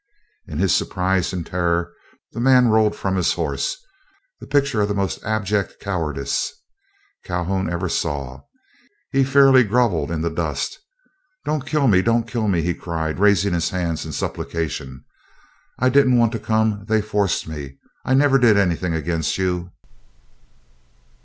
In his surprise and terror, the man rolled from his horse, the picture of the most abject cowardice Calhoun ever saw. He fairly grovelled in the dust. "Don't kill me! Don't kill me!" he cried, raising his hands in supplication. "I didn't want to come; they forced me. I never did anything against you."